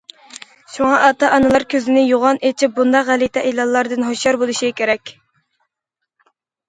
شۇڭا، ئاتا- ئانىلار كۆزىنى يوغان ئېچىپ، بۇنداق غەلىتە ئېلانلاردىن ھوشيار بولۇشى كېرەك.